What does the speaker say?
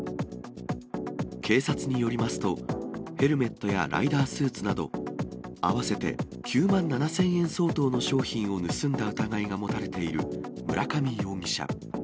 警察によりますと、ヘルメットやライダースーツなど、合わせて９万７０００円相当の商品を盗んだ疑いが持たれている村上容疑者。